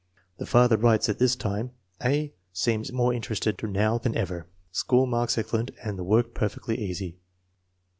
The father writes at this time, " A. seems more interested now than ever. School marks excellent and the work perfectly easy."